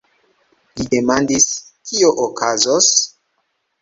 Li demandis: "Kio okazos?